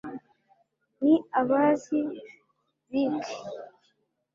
ni abazi bike